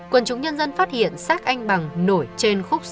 quần chúng nhân dân phát hiện xác anh bằng nổi trên khúc sông